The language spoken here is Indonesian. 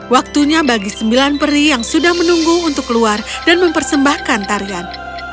waktunya bagi sembilan peri yang sudah menunggu untuk keluar dan mempersembahkan tarian